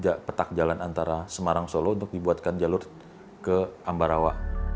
di salah satu petak jalan antara semarang solo untuk dibuatkan jalur ke ambarawa